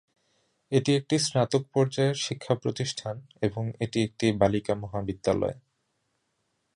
এটি একটি স্নাতক পর্যায়ের শিক্ষা প্রতিষ্ঠান এবং এটি একটি বালিকা মহাবিদ্যালয়।